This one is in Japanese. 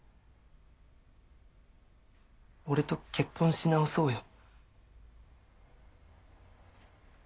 俺と結婚し直そうよ。